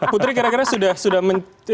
putri kira kira sudah